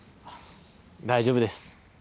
大丈夫です。